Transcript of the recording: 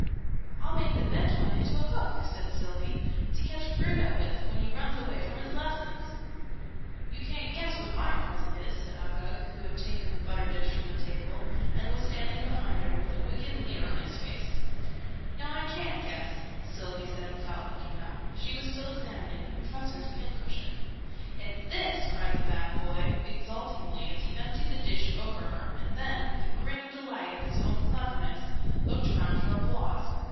"I'll make the bent one into a hook!" said Sylvie. "To catch Bruno with, when he runs away from his lessons!" "You ca'n't guess what my present is!" said Uggug, who had taken the butter dish from the table, and was standing behind her, with a wicked leer on his face. "No, I ca'n't guess," Sylvie said without looking up. She was still examining the Professor's pincushion. "It's this!" cried the bad boy, exultingly, as he emptied the dish over her, and then, with a grin of delight at his own cleverness, looked round for applause.